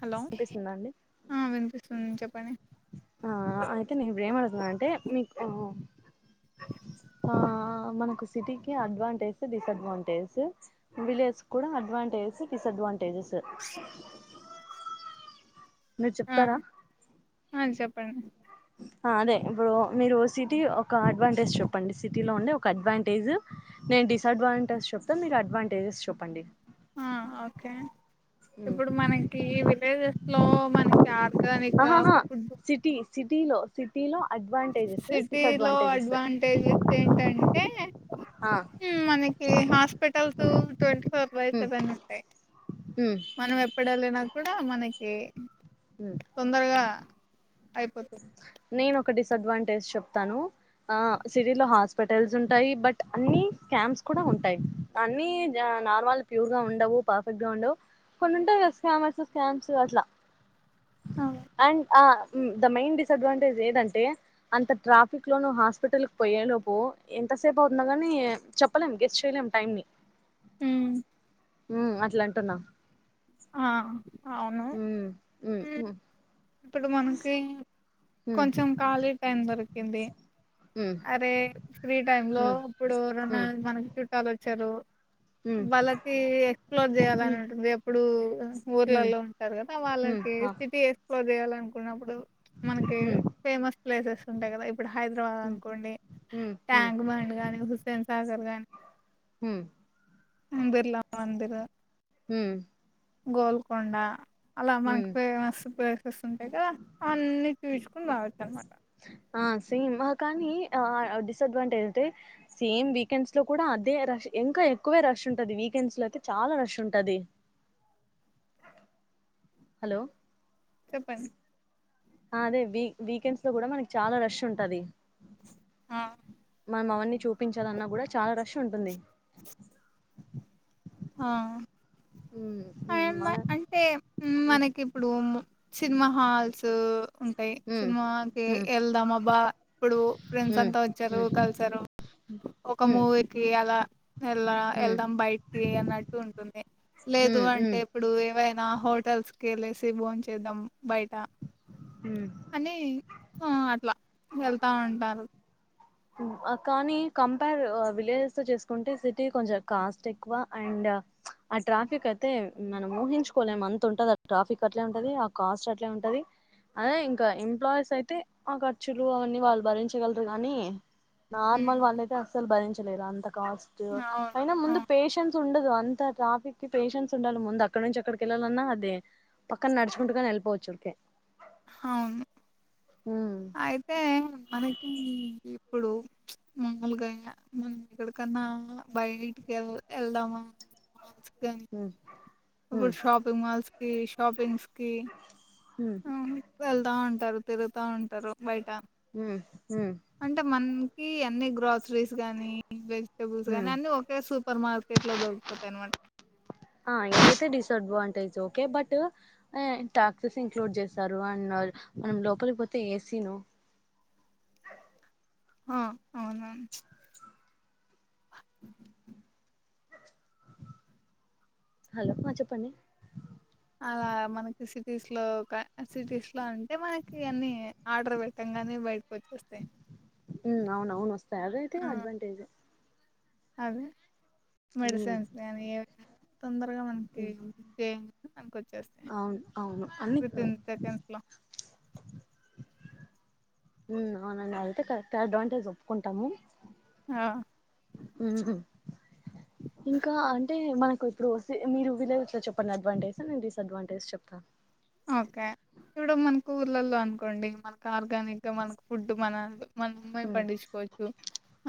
Hello వినిపిస్తుందా అండి విపిస్తుంది చెప్పండి ఆ అయితే నేను ఇప్పుడు ఏమ అడుతున్నా అంటే మీకు ఆ మనకు సిటీకిి అడ్వాంటేజ్ డిస అడ్వాంటేజ్ విలేజ్ కూడా అడ్వాంటేజ్ డిస్డ్వాంటేజెస్ మీరు ఆ చెప్తారా ఆ చెప్పండి అదే ఇప్పుడు మీరు సిటీ ఒక అడ్వాంటేజ్ చెప్పండి సిటీలో ఉండే ఒక అడ్వాంటేజ్ నే ను డిస్ అడ్వాంటేజ్ చెప్తే మీరు అడ్వాంటేజెస్ చెప్పండి ఆ ఓకే ఇప్పుడు మనకి విలేజెస్ లో మనకి ఆర్గానిక్ గా ఆహహా సిటీ సిటీలో సిటీలో అడ్వాంటేజెస్ సిటీ లో డిసడ్వాంటేజెస్ అడ్వాంటేజెస్ ఏంటంటే ఆ మనకి హస్ hospitals twenty four by um seven ఉంటాయి ఉమ్ మనం ఎప్పుడ వెళ్ళిన కూడా మనకి ఉమ్ తొందరగా అయిపోతుంది నేను ఒక డిస్డ్వాంటేజ్ చెప్తాను ఆ సిటీలో హాస్పిటల్స్ ఉంటాయి బట్ అన్ని క్యాంప్స్ కూడా ఉంటాయి అన్ని నార్మల్ ప్యూర్ గా ఉండవు పర్ఫెక్ట్ గా ఉండవు కొన్ని ఉంటాయి స్కామర్స్ స్కామ్స్ అట్లా అండ్ ఆ ద మెయిన్ డిసడ్వాంటేజ్ ఏదంటే అంత ట్రాఫిక్ లోన హాస్పిటల్ పోయే లోపు ఎంత ఎంతసేపు అవుతుంద గాని చెప్పలేం గెస్ట్ చేయలేము టైమ్ ని హ ఉ అట్లాంటున్నా ఆ అవును ఉ ఉమ్ ఇప్పుడు మనకి కొంచెం ఖాళీ టైం దొరకుంది ఉమ్ అరే ఫ్రీ టైమ్ లో ఉమ్ ఇప్పుడు ర మన చుట్టలో వచ్చారు ఉమ్ ఉమ్ వాళ్ళకి ఎక్స్ప్లోర్ చేయాలని ఉంటుంది ఇప్పుడు ఉమ్ ఉమ్ ఊర్లలో ఉంటారు కదా ఉమ్ వాళ్ళకి ఆ సిటీ ఎక్స్ప్లోర్ చేయాల అనుకున్నప్పుడు మనకి ఉమ్ ఫేమస్ ప్లేసెస్ ఉంటాయి కదా ఇప్పుడు హైదరాబాద్ ఉమ్ అనుకోండి ఉమ్ ఉమ్ ట్యాంక్ బండ్ గానీ హుస్సేన్ సాగర్ గాని హ బిర్లామందరు హ గోల్కొండ అలా హ్మ్ మకు మస్తు ప్లేసెస్ ఉంటాయి కదా అవన్నీ చూసుకుని రావచ్చు అనమాట ఆ సీమా కానీ ఆ డిసడ్వాంటేజ్ అంటే సేమ్ వీకెండ్స్ లో కూడా అదే రష్ ఇంకా ఎక్కువే రష ఉంటది వీకెండ్స్ లో అయితే చాలా రష్ ఉంటది హలో చెప్పండి అదే వ వీకెండ్స్ లో కూడా మనకి చాలా రష్ ఉంటది ఆ మనం అవన్నీ చూపించాలిన్నా కూడా చాలా రష్ ఉంటుంది ఆ హ్మ్ అ హ్మ్ మన అంటే మనకి ఇప్పుడు సినిమా హాల్స్ ఉంటాయి హ్మ్ సినిమాకి హ్మ్ వెళ్దాం అబ్బా ఇప్పుడు ఫ్రెండ్స్ హ్మ్ అంతా వచ్చారు హ్మ్ కలిసారు ఒక హ్మ్ మూవీకి అలా వె హ్మ్ వెళ్దాం బయట అన్నట్టు ఉంటుంది లేదు హ్మ్ అంటే హ్మ్ ఇప్పుడు ఏవైనా హోటల్స్ కి లేసి భోన్ చేద్దాం బయట హ్మ్ అని అట్లా వెళ్తా ఉంటారు కానీ కంపేర్ విలేజెస్ తో చేసుకుంటే సిటీ కొంచెం కాస్ట్ ఎక్కువ అండ్ డా ఆ ట్రాఫిక్ అయితే మనం ఊహించుకోలేం అంత ఉంటది ట్రాఫిక్ అట్లే ఉంటది ఆ కాస్ట్ అట్లే ఉంటది అదే ఇంకా ఎంప్లాయీస్ అయితే ఆ ఖర్చులు అవన్నీ వాళ్ళు భరించగలరు కానీ హ్మ్. నార్మల్ వాళ్ళు అయితే అసలు భరించలేరు అంత కాస్ట్ అవును అయినా ముందు అవును పేషెన్స్ ఉండదు అంత ట్రాఫిక్స్షెన్స్ ఉండాలి ముందు అక్కడ నుంచి అక్కడికి వెళ్ళాలన్నా అదే పక్కన నడుచుకుంటుక వెళ్ళిపోవచ్చు ఊకే అవును అయితే మనకి ఇప్పుడు మామలుగాయ మ ఇక్కడకన్నా బయటికి వె వెళ్దామా కానీ హ ఇప్పుడు షాపింగ్ మాల్స్ కి షాపింగ్స్ కి ఉమ్ వెళ్తా ఉంటారు తిగుతా ఉంటారు బయట హ హ అంటే మనకి అన్ని గ్రాసరీస్ గానీ వెజిటబుల్స్ ఉమ్ గాని అన్ని ఒకే సూపర్ మార్కెట్ ఎట్లో దొపోతాయిన వా [inaudible] ఆ ఇదైతే disadvantage okay but taxes include చేస్తారు అన్నారు మనం లోపలి పోతే ఏసీ ను ఆ అవును హలో మా చెప్పండి అలా మనకి సిటీస్ లో సిటీస్ లో అంటే మనకి అన్ని ఆర్డర్ పెట్ట ఉ అవును అవును వస్తా అదైతే ఆ అడ్వాంటేజ్ అదే ఉమ్, మెడిసిన్స్ న ఏ తొందరగా మనకి ఉమ్, చేయ మనకి వచ్చేస్తా అవును అవును అన్ని కతిన్ సెకన్స్ లో అవునండి అయితే కరెక్ట్ అడ్వాంటేజ్ ఒప్పుకుంటాము ఆ ఉ ఇంకా అంటే మనకు ఇప్పుడు మీరు విలేజ్లో చెప్పండి అడ్వాంటేజ్ నేను డిస్ అడ్వాంటేజ్ చెప్తాను ఓకే ఇడం మనకు ఊర్లల్లో అనుకోండి మనకి ఆర్గానిక్ గా మన ఫుడ్ మన మన అమ్మాయి ఉమ్, పండించుకోవచ్చు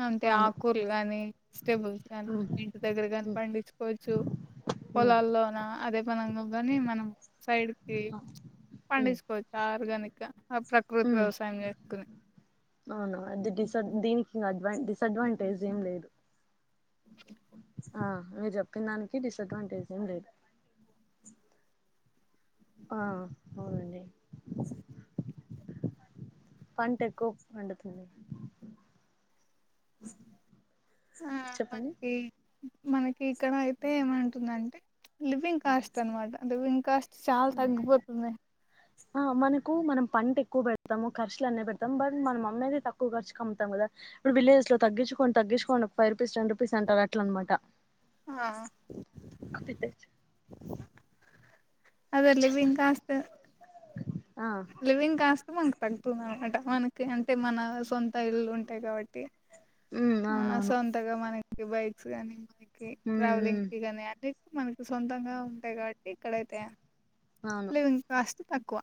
అంటే అవును ఆకూలు గాని వెటబుల్స్ కాని మన ఉమ్, ఇంటి దగ్గర కాని ఉమ్, పండించుకోవచ్చు ఉమ్, పొలాల్లోన అదే మనంగా కాని మనం సైడ్ కి ఆ, ఉమ్, పండించకోవచ్చు ఆరుగాని ఆ ప్రకృతి వ్యవసాయం చేసుకుని అవునా అది డిస దీనికిం అవా డిసడ్వాంటేజ్ ఏం లేదు ఆ మీరు చెప్పిన దానికి డిసడ్వాంటేజ్ ఏ లేదు ఆ అవునండి పంట ఎక్కువ పండుతుంది ఆ చెప్పండి మనకి మనకి ఇక్కడ అయితే ఏమంటుందంటే లివింగ్ కాస్ట్ అన్మాట లివింగ్ కాస్ట్ చాలా తగబతుంద ఆ మనకు మనం పంట ఎక్కువ పెడతాము ఖర్చులు అన్న పెడతాం బట్ మనం అమ్మయిది తక్కువ ఖర్చు కమ్ముతాం కదా ఇప్పుడు విలేజ్స్ లో తగ్గుకోని తగ్ించుకోం ఫై్ రూపీస్ టెన్ రూపీస్ అంటారు అలా అనమాట ఆ అదలీ బ ఇంకాస్త ఆ లివింగ్ కాస్త మనకు తగ్గుతుంది అనమాట మనకి అంటే మన సొంత ఇల్లు ఉంటాయి కాబట్టి ఉమ్ ఆ అవునవును సొంతగా మనకి బైక్స్ కాగాని మ ఉమ్ ట్రావెలింగ్ కి కానీ అనే మనకి సొంతంగా ఉంటాయి కాట్ ఇక్కడ అైతే ఉమ్ అవును లివింగ్ కాస్ట్ తక్కువ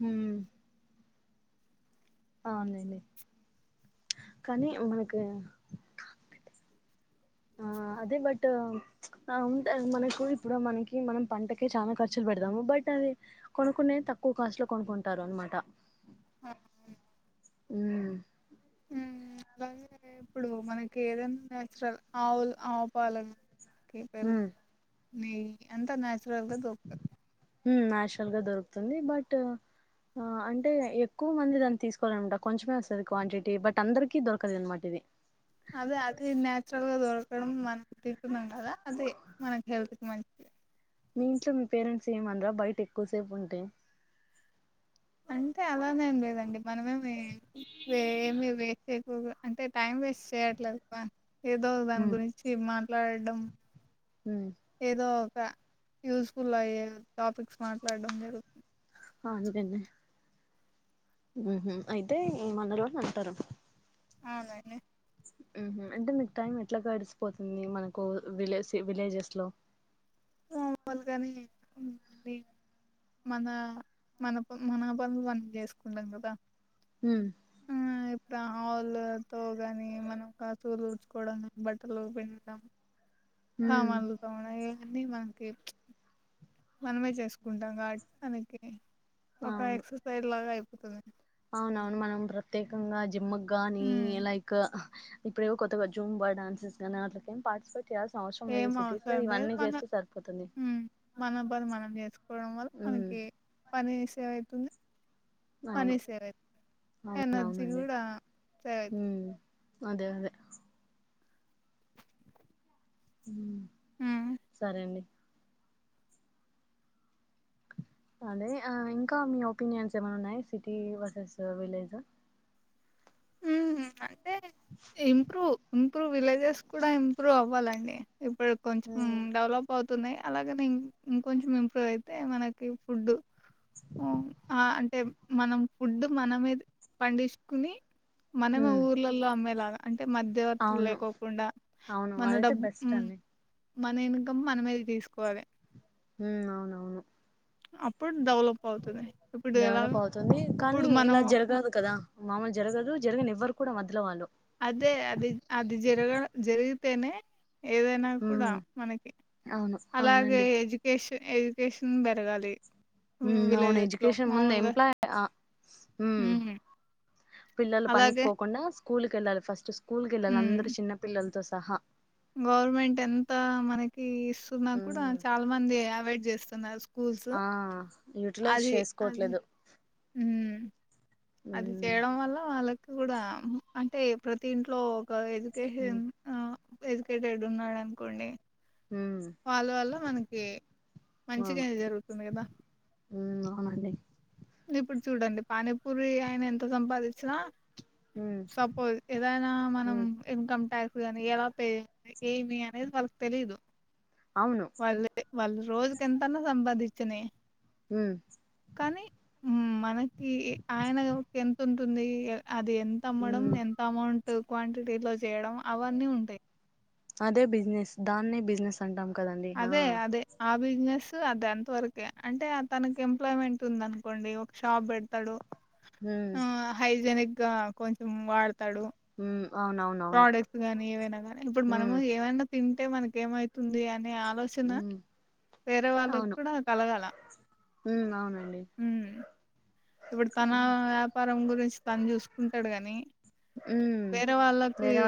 హ అవునండి కానీ మనకు ఆ అదే బట్ మనకు ఇప్పుడు మనకి మనం పంటకే చాలా ఖర్చులు పెడతాము బట్ అది కొనుకునే తక్కువ కాస్ట్ లో కొనుక్కుంటారు అనమాట ఉ ఉమ్, అలాగే ఇప్పుడు మనకి ఏదైనా ఆవులు ఆవుపాలను కేపర్లు ఉమ్ నెయ్యి అంతా న్యాచురల్ గా దొరుకుతది నాచురల్ గా దొరుకుతుంది బట్ ఆ అంటే ఎక్కువ మంది దాన్ని తీసుకోవాలనమాట కొంచమే వస్తుంది క్వాంటిటీ బట్ అందరికీ దొరకదు అనమాట ఇది అదే అది నచురల్ గా దొరకడం మనం తింటున్నాం కదా అది మనకి హెల్త్ కి మంచి మీ ఇంట్లో మీ పేరెంట్స్ ఏమనరా బయట ఎక్కువసేపు ఉంటే అంటే అలానేం లేదండి మనమేమి ఏమి వేస ఎక్కువగా అంటే టైం వేస్ట్ చేయట్లేదు ఏదో దాని ఉమ్ గురించి మాట్లాడడం ఉమ్ ఏదో ఒక యూస్ఫుల్ అయ్యే టాపిక్స్ మాట్లాడడం జరుగుతుంది ఫన్ క ఉ అయితే మంద వాోళు అంటారు అనను అంటే మీకు టైం ఎట్లా గడిసిపోతుంది మనకు విలే విలేజెస్ లో మనీ మన మన మన పనులు మనం చేసుకుంటాం కదా హమ్ ఇప్పుడ ఆల్ త కాగాని మనం కాసు డ్చుకోవడా బట్టలు పెం హ ఉమ్ మనలుత ఉన అన్నీ మనకి మనమే చేసుకుంటాం కాట్ మననికి ఒక అవును ఎక్సర్సైజ్ లాగా అయిపోతుంది అవునవును మనం ప్రత్యేకంగా జిమ్ గాని ఉమ్ లైక్ ఇప్పుడే కొత్తగా జూమ్ డాన్సెస్ కానీ వాక ఏం పార్టిసిపేట్ చేయాల్సిన అవసరం ఏం లేదు సిటీస్ లో అవసరం లేరు ఇవన్నీ మన చేస్తే సరిపోతుంది మనబరి మనం చేసుకోవడం వల్ల ఉమ్ మనకి పనిసేవైతుంది అవును మనీ సేవ అవుతుంది ఎనర్జీ అవునవునండి కూడా సేవ అవుతుంది ఉమ్ అదే అదే ఉమ్ సరే అండి అదే ఇంకా మీ ఒపీనియన్స్ ఏమన్నా ఉన్నాయి సిటీ వర్సెస్ విలేజ్ అంటే ఇంప్రూవ్ ఇంప్రూవ్ విలేజెస్ కూడా ఇంప్రూవ్ అవ్వాలండి ఇప్పుడు కొంచెం ఉమ్ డెవలప్ అవుతుంది అలాగనేం ఇంకొంచెం ఇంప్రూవ్ అయితే మనకి ఫుడ్ ఓ ఆ అంటే మనం ఫుడ్ మనమేద పండించకుని మన మా ఉమ్ ఊర్లల్లో అమ్మలాగా అంటే మధ్యవర్తులు అవును లేకోకుండా అవును మన అదైతే డబ్బు బెస్ట్ అండి మన ఇన్కమ్ మన మీద తీసుకోవాలి హ అవునవును అప్పుడు డెవలప్ అవుతుంది ఇప్పుడు ఎలా డెవలప్ అవుతుంది కానీ ఇప్పుడు మనం ఇలా జరగదు కదా మామలు జరగదు జరిగిన ఎవ్వరు కూడా మొల వాళ్ళు అదే అది అది జరగ జరిగితేనే ఏదైనా కూడా ఉమ్ మనకి అవును అలాగే అవునండి ఎడ్యుకేషన్ ఎడ్యుకేషన్ పెరగాలి హ అవును విలేజెస్ లో ఎజుకేషన్ ముంద మామూలుగా ఎంప్లాయ్ ఆ హ మ్, పిల్లలు పనికి అలాగే పోకుండా స్కూల్కి వెళ్ళాలి ఫస్ట్ స్కూల్ క వెళ్ళాలి అందరు చిన్న పిల్లలతో సహా గవర్నమెంట్ ఎంత మనకి చస్తున్నా కూడా ఉమ్ చాలా మంది అవాయిడ్ చేస్తున్నారు స్కూల్స్ ఆ యూటిలైజ్ అది అది చేసుకోవట్లేదు మ్. అది ఉమ్ చేయడం వల్ల వాళ్ళకి కూడా అంటే ప్రతి ఇంట్లో ఒక ఎడ్యుకేషన్ ఉమ్ ఎడ్యుకేటెడ్ ఉన్నాడు అనుకోండి ఉమ్ వాళ్ళ వల్ల మనకి అవును మంచిగా జరుగుతుంది కదా ఉమ్ అవునండి ఇప్పుడు చూడండి పానీపూరి ఆయన ఎంత సంపాదించినా ఉమ్ సపోజ్ ఏదనా మనం ఉమ్ ఇన్కమ్ ట్యాక్స్ ఎలా తె ఏమి అనేది వర్క్ తెలి ఇదు అవును వాళ్ళు వాళ్ళు రోజుక ఎంతనా సంపాదించిన అ మనకి ఆయన ఎంత ఉంటుంది అది ఎంత అమ్మడం ఉమ్ ఎంత అమౌంట్ క్వాంటిటీలో చేయడం అవన్నీ ఉంటాయి అదే బిజినెస్ దాన్నే బిజినెస్ అంటాము అదే అదే బిజినెస్ అది ఎంత వరకే అంటే తనకి ఎంప్లాయ్మెంట్ ఉంది అనుకోండి ఒక షాప్ పె ాడు ఉమ్ ఆ హైజనిక్ గా కొంచెం వాడతాడు హ ప్రోడక్ట్స్ గాని ఏవైనా నీ ఇప్పుడు ఉమ్ మనము ఏమైనా తింటే మనక ఏమైతుంది అని అనే ఆలోచన ఉమ్ వేరే వాళ్ళకి అవును కూడా కలగాలం అవునండి ఇప్పుడు తన వ్యాపారం గురించి తను చూసుకుంటాడు కాని ఉమ్ వేరే వాళ్ళకి వేరే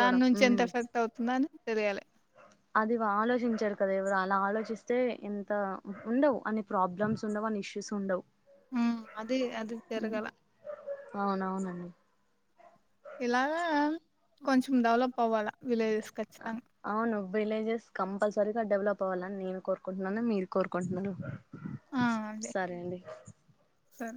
దాని నుంచి ఎంత ఉమ్ ఎఫెక్ట్ అవుతుందని తెలియాలి అది ఆలోచించారు కదా ఎవరు అలా ఆలోచిస్తే ఎంత ఉండవు అన్ని ప్రాబ్లమ్స్ ఉండవు నిశసి ఉండవు ఉమ్, అది అది జరగాల అవునవునండి ఇలాగా కొంచెం డెవలప్ అవ్వాలా విలేజెస్ ఖచ్చితంగా అవును విలేజెస్ కంపల్సరి ఇ డెవలప్ అవ్వాలని నేను కోరుకుంటున్నాను మీరు కోరుకుంటున్నాను ఆ, అదే సరే అండి సరే